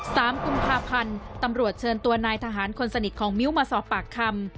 สามกุมภาพันธ์ตำรวจเชิญตัวนายทหารคนสนิทของมิ้วมาสอบปากคำ